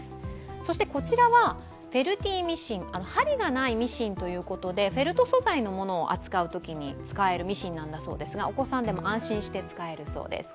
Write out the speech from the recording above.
そして、こちらはフェルティミシン針がないミシンということでフェルト素材のものを扱うときに使えるミシンなんだそうですがお子さんでも安心して使えるそうです。